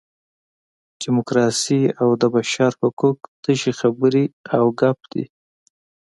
ډیموکراسي او د بشر حقوق تشې خبرې او ګپ دي.